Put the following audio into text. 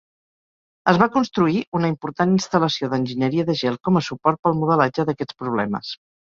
Es va construir una important instal·lació d'enginyeria de gel com a suport pel modelatge d'aquests problemes.